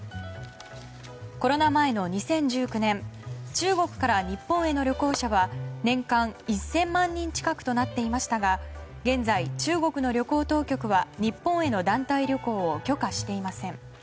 コロナ前の２０１９年中国から日本への旅行者は年間１０００万人近くとなっていましたが現在、中国の旅行当局は日本への団体旅行を許可していません。